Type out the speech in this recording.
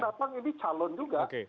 tapi yang datang ini calon juga